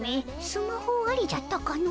スマホありじゃったかの？